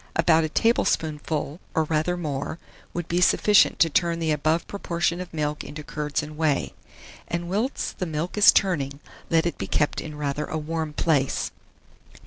About a tablespoonful or rather more, would be sufficient to turn the above proportion of milk into curds and whey; and whilst the milk is turning, let it be kept in rather a warm place.